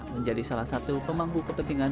menjadi salah satu pemangku kepentingan